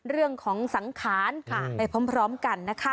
เรื่องของสังขารไปพร้อมกันนะคะ